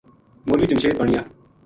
مولوی جمشید بانیا